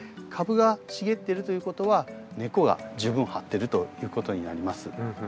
株が茂ってるということは根っこが十分張ってるということになります。